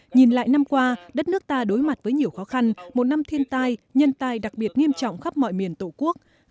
nhìn lại năm qua đất nước ta đối mặt với nhiều khó khăn một năm thiên tai nhân tai đặc biệt nghiêm trọng khắp mọi miền tổ quốc